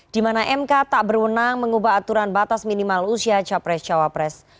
di mana mk tak berwenang mengubah aturan batas minimal usia capres cawapres